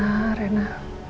ya allah reina